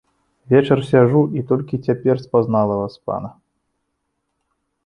Вечар сяджу і толькі цяпер спазнала васпана.